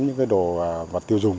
những đồ vật tiêu dùng